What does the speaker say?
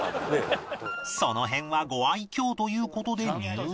その辺はご愛嬌という事で入店